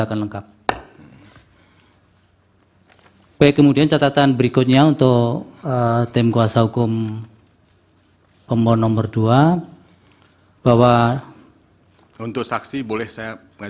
kami ucapkan sekali lagi